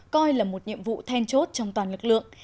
coi là một nhiệm vụ then chốt trong toàn lực lượng